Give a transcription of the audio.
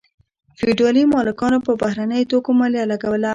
فیوډالي مالکانو په بهرنیو توکو مالیه لګوله.